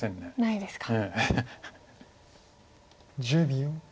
１０秒。